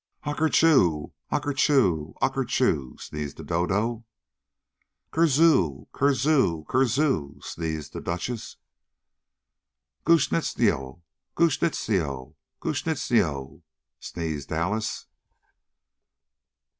"Aker choo! Aker choo! Aker choo!" sneezed the dodo. "Keer zoo! Keer zoo! Keer zoo!" sneezed the duchess. "Goo snitzio! Goo snitzio! Goo snitzio!" sneezed Alice.